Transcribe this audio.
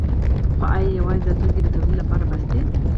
خو ایا یوازې دا توکي د تولید لپاره بس دي؟